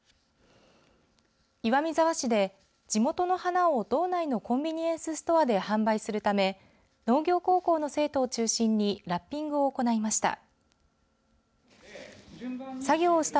岩見沢市で地元の花を道内のコンビニエンスストアで販売するため農業高校の生徒を中心にラッピングを行いました。